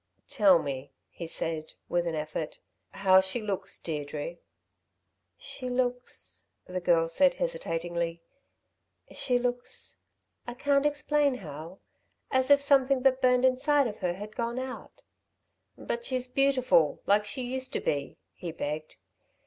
"Tell me," he said, with an effort, "how she looks, Deirdre." "She looks," the girl said hesitatingly. "She looks I can't explain how as if something that burned inside of her had gone out." "But she's beautiful like she used to be," he begged.